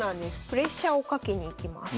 プレッシャーをかけにいきます。